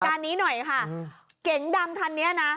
การนี้หน่อยค่ะเก๋งดำคันนี้นะ